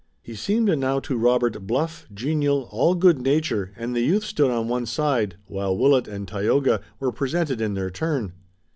He seemed now to Robert bluff, genial, all good nature, and the youth stood on one side, while Willet and Tayoga were presented in their turn.